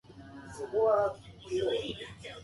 いい加減偽絵保マニ。